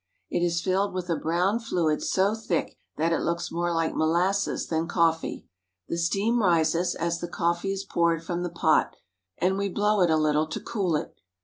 It is filled with a brown fluid so thick that it looks more like molasses than coffee. The steam rises, as the coffee is poured from the pot, and we blow it a little to cool it.